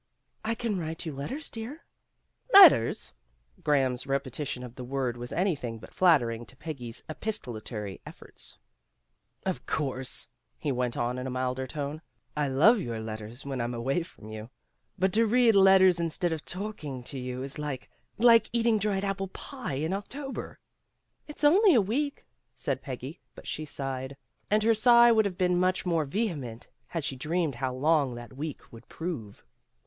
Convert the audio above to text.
"I can write you letters, dear." "Letters!" Graham's repetition of the word was anything but flattering to Peggy's epis tolary efforts. "Of course," he went on in a milder tone, "I love your letters when I'm away from you. But to read letters instead of talking to you is like like eating dried apple pie in October." "It's only a week," said Peggy, but she sighed. And her sigh would have been much more vehement had she dreamed how long that week would prove.